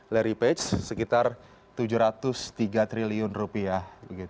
larry page sekitar tujuh ratus tiga triliun rupiah